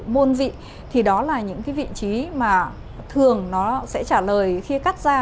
môn dị thì đó là những cái vị trí mà thường nó sẽ trả lời khi cắt ra